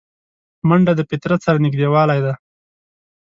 منډه د فطرت سره نږدېوالی دی